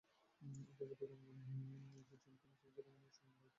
আন্তর্জাতিক অঙ্গনে এসেই চমকে দেওয়া মুস্তাফিজুর রহমানের সামনে আরেকটি স্বপ্নের হাতছানি।